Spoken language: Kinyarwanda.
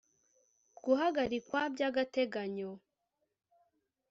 guhagarikwa by agateganyo